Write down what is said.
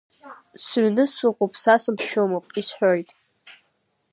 Сыҩны сыҟоуп, са саԥшәымоуп, исҳәоит…